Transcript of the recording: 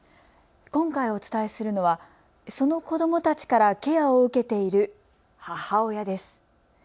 今回お伝えするのはその子どもたちからケアを受けている母親です。